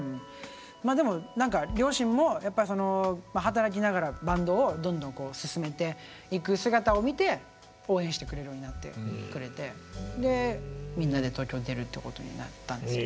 まあでも何か両親もやっぱりその働きながらバンドをどんどん進めていく姿を見て応援してくれるようになってくれてでみんなで東京へ出るってことになったんですけどね。